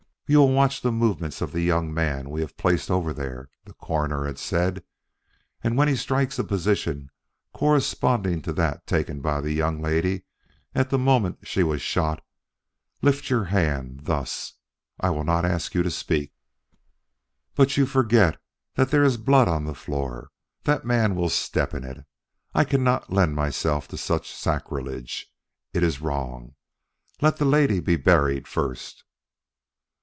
"You will watch the movements of the young man we have placed over there," the Coroner had said; "and when he strikes a position corresponding to that taken by the young lady at the moment she was shot, lift up your hand, thus. I will not ask you to speak." "But you forget that there is blood on that floor. That man will step in it. I cannot lend myself to such sacrilege. It is wrong. Let the lady be buried first."